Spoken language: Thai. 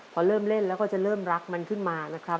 พอเริ่มเล่นแล้วก็จะเริ่มรักมันขึ้นมานะครับ